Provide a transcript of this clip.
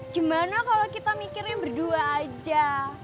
gimana kalo kita mikirin berdua aja